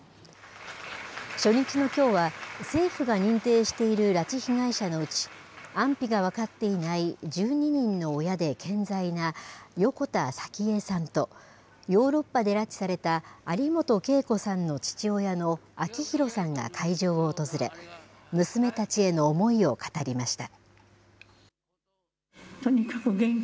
初日のきょうは、政府が認定している拉致被害者のうち、安否が分かっていない１２人の親で健在な横田早紀江さんと、ヨーロッパで拉致された有本恵子さんの父親の明弘さんが会場を訪れ、娘たちへの思いを語りました。